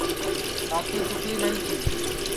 کاکی چُکلی نائی تی